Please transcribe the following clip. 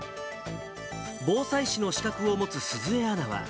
防災士の資格を持つ鈴江アナは。